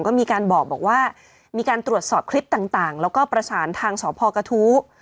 ก็มีการบอกว่ามีการตรวจสอบคลิปต่างแล้วก็ประสานทางสพกระทู้